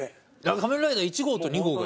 仮面ライダ―１号と２号が。